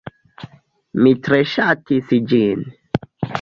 Mi tre ŝatis ĝin